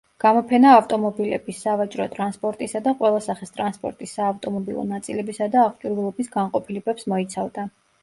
გამოფენა ავტომობილების, სავაჭრო ტრანსპორტისა და ყველა სახის ტრანსპორტის საავტომობილო ნაწილებისა და აღჭურვილობის განყოფილებებს მოიცავდა.